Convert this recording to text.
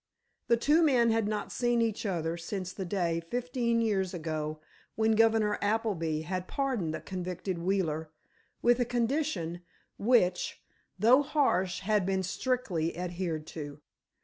The two men had not seen each other since the day, fifteen years ago, when Governor Appleby had pardoned the convicted Wheeler, with a condition, which, though harsh, had been strictly adhered to.